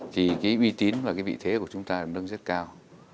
thì uy tín và vị thế của chúng ta nâng rất cao